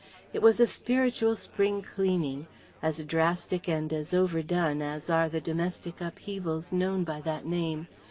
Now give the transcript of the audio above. It was a spiritual Spring cleaning, as drastic and as overdone as are the domestic upheavals known by that name.